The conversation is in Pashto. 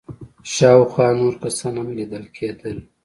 شاوخوا نور کسان هم ليدل کېدل.